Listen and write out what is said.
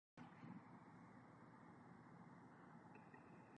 It should be brought inside for winter and treated as a house plant.